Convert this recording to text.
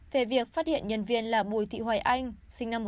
về việc phát hiện nhân viên là bùi thị hoài anh sinh năm một nghìn chín trăm tám mươi